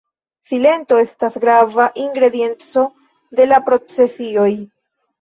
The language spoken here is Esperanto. Silento estas grava ingredienco de la procesioj.